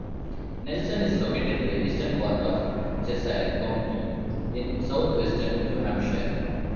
Nelson is located in the eastern part of Cheshire County, in southwestern New Hampshire.